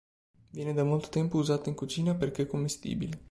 Viene da molto tempo usata in cucina perché commestibile.